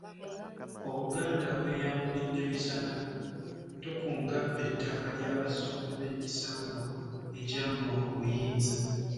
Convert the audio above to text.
Obuganda abweyambulidde misana ttukung'abba ettaka ly'abazzukulu b'emisambwa egyamuwa obuyinza